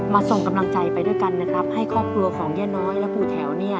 ส่งกำลังใจไปด้วยกันนะครับให้ครอบครัวของย่าน้อยและปู่แถวเนี่ย